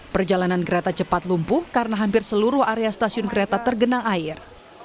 perjalanan kereta cepat lumpuh karena hampir seluruh area stasiun kereta tergenang air